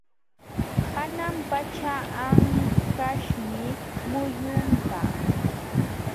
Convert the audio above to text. Hanan pacha anqaśhmi muyunpa.